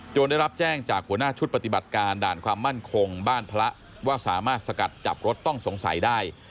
ได้รับแจ้งจากหัวหน้าชุดปฏิบัติการด่านความมั่นคงบ้านพระว่าสามารถสกัดจับรถต้องสงสัยได้